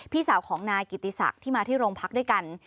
พี่สาวของนายกิติศักดิ์ที่มาที่โรงพักด้วยกัน